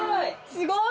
すごい！